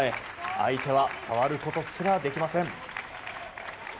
相手は触ることすらできません。